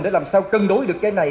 để làm sao cân đối được cái này